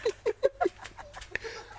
ハハハハ！